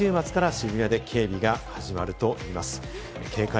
来週末から渋谷で警備が始まるといいます。